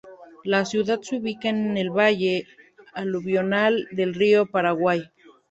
La ciudad se ubica en el valle aluvional del Río Paraguay.